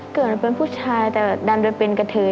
เกิดมาเป็นผู้ชายแต่ดันไปเป็นกระเทย